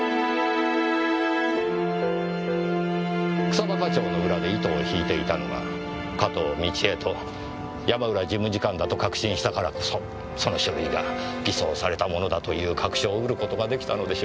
草葉課長の裏で糸を引いていたのが加東倫恵と山浦事務次官だと確信したからこそその書類が偽装されたものだという確証を得る事が出来たのでしょう。